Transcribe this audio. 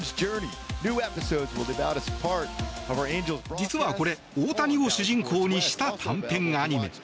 実はこれ大谷を主人公にした短編アニメ。